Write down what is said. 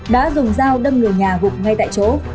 đã dùng dao đâm người nhà gục ngay tại chỗ